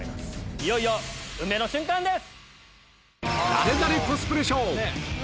いよいよ運命の瞬間です！